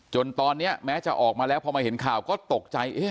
จนตอนนี้แม้จะออกมาแล้วพอมาเห็นข่าวก็ตกใจ